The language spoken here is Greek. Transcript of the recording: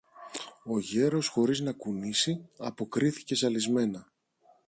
Ο γέρος χωρίς να κουνήσει, αποκρίθηκε ζαλισμένα